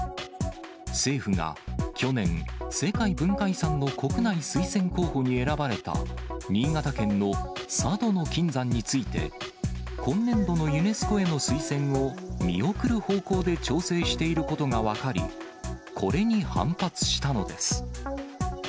政府が去年、世界文化遺産の国内推薦候補に選ばれた、新潟県の佐渡島の金山について、今年度のユネスコへの推薦を見送る方向で調整していることが分かり、これに反発したのです。